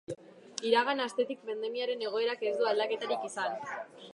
Iragan astetik pandemiaren egoerak ez du aldaketarik izan.